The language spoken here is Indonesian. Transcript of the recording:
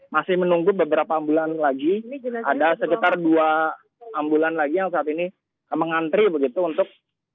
masih menunggu beberapa ambulan lagi ada sekitar dua ambulan lagi yang saat ini mengantri begitu untuk